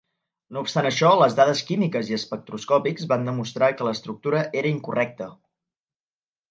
No obstant això, les dades químiques i espectroscòpics van demostrar que l'estructura era incorrecta.